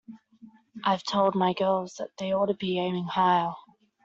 I've told my girls that they ought to be aiming higher.